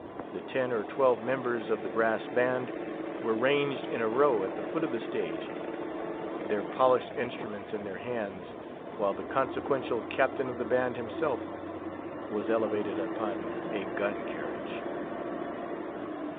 The ten or twelve members of the brass band were ranged in a row at the foot of the stage, their polished instruments in their hands, while the consequential Captain of the Band himself was elevated upon a gun carriage.